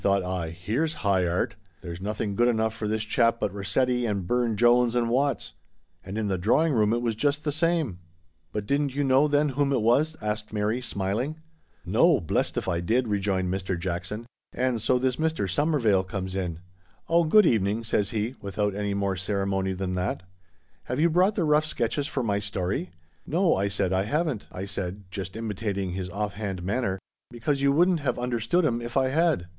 thought I, here's 'High Art.' There's nothing good enough for this chap but Rossetti and Burne Jones and Watts. And in the drawing room it was just the same " 126 THE STORY OF A MODERN WOMAN. " Ah, I know who you mean," said Mary, smiling. " Well, blessed if I knew !" rejoined Mr. Jackson. " And so this Mr. Waklyn comes in. i Oh, good evening,' says he, without any more ceremony than that ; c have you brought the rough sketches for my story ?'' No,' I said, * I haven't,' I said, just imitating his off hand manner, ' because you wouldn't have understood 'em if I 'ad.'